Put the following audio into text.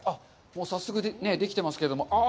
早速できてますけども。